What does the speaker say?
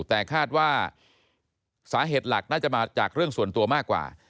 แต่คาดว่าสาเหตุหลักน่าจะมาจากเรื่องส่วนตัวมากกว่า